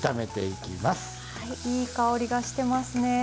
いい香りがしてますね。